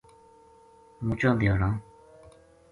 مُچاں دھیاڑاں